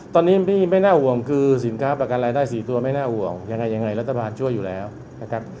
ตอนนี้ที่ไม่น่าห่วงคือสินค้าประกันรายได้๔ตัวไม่น่าห่วงยังไงยังไงรัฐบาลช่วยอยู่แล้วนะครับ